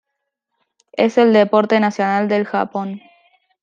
Es el deporte nacional del Japón.